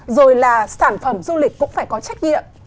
rồi là sản phẩm du lịch cũng phải có trách nhiệm